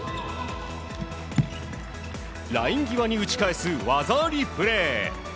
ライン際に打ち返す技ありプレー。